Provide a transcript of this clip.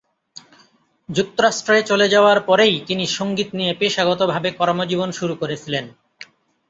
যুক্তরাষ্ট্রে চলে যাওয়ার পরেই তিনি সঙ্গীত নিয়ে পেশাগতভাবে কর্মজীবন শুরু করেছিলেন।